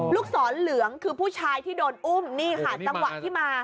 ลูกศรเหลืองคือผู้ชายที่โดนอุ้มนี่ค่ะจังหวะที่มา